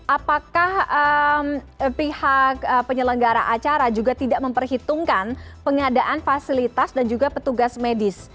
apakah pihak penyelenggara acara juga tidak memperhitungkan pengadaan fasilitas dan juga petugas medis